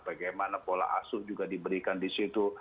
bagaimana pola asuh juga diberikan disitu